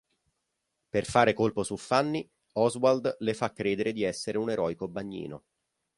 Per fare colpo su Fanny, Oswald le fa credere di essere un eroico bagnino.